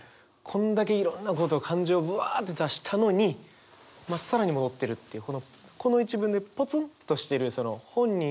こんだけいろんなこと感情をブワッて出したのにまっさらに戻ってるっていうこの１文でポツンとしているその本人